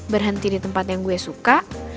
berhenti di tempat yang gue suka